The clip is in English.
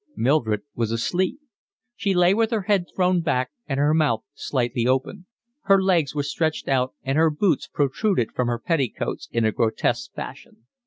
Mildred was asleep. She lay with her head thrown back and her mouth slightly open; her legs were stretched out, and her boots protruded from her petticoats in a grotesque fashion.